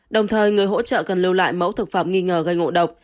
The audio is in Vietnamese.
đồng thời người hỗ trợ cần lưu lại mẫu thực phẩm nghi ngờ gây ngộ độc